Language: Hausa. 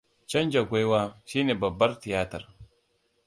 Canza gwaiwa shi ne babbar tiayatar.